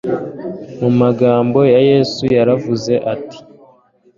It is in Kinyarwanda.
mu magambo ya yesu yaravuze ati